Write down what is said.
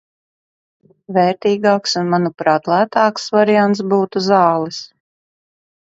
Vērtīgāks un manuprāt lētāks variants būtu zāles.